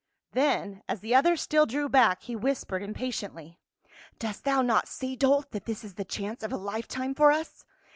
Then as the other still drew back, he whispered impatiently, " Dost thou not see, dolt, that this is the chance of a lifetime for us